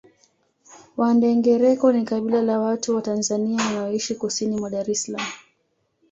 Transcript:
Wandengereko ni kabila la watu wa Tanzania wanaoishi kusini mwa Dar es Salaam